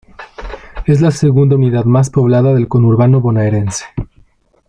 Es la segunda unidad más poblada del conurbano bonaerense.